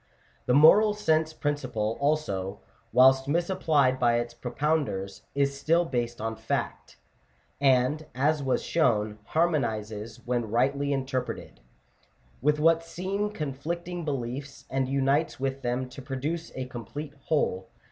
The moral sense principle, also, whilst misapplied by its propounders, is still based on fact ; and, as was shown, harmonizes, when rightly interpreted, with what seem conflicting beliefs, and unites with them to produce a complete whole.